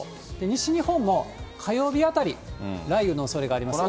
西日本も、火曜日あたり、雷雨のおそれがあります。